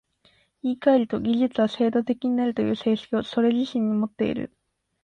言い換えると、技術は制度的になるという性質をそれ自身においてもっている。